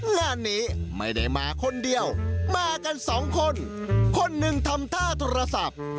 งานนี้ไม่ได้มาคนเดียวมากันสองคนคนหนึ่งทำท่าโทรศัพท์